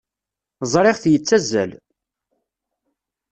Ẓriɣ-t yettazzal.